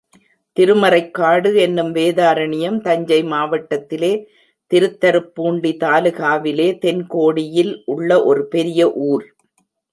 திருமறைக்காடு என்னும் வேதாரண்யம் தஞ்சை மாவட்டத்திலே திருத்தருப்பூண்டி தாலூகாவிலே தென் கோடியில் உள்ள ஒரு பெரிய ஊர்.